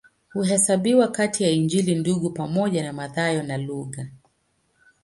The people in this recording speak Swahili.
Huhesabiwa kati ya Injili Ndugu pamoja na Mathayo na Luka.